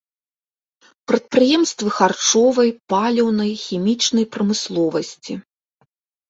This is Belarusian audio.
Прадпрыемствы харчовай, паліўнай, хімічнай прамысловасці.